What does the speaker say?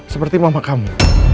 seperti mama kamu